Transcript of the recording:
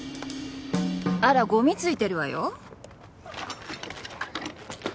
あらゴミ付いてるわよ。